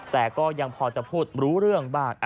แต่ก็ยังพอจะพูดรู้เรื่องบ้าง